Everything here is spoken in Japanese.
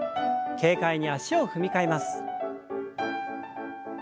軽快に脚を踏み替えます。